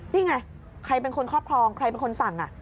นี่ไงใครเป็นคนครอบครองใครเป็นคนสั่ง